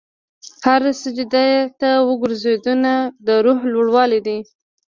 هره سجدې ته ورکوځېدنه، د روح لوړوالی دی.